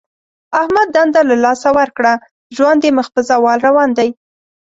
احمد دنده له لاسه ورکړه. ژوند یې مخ په زوال روان دی.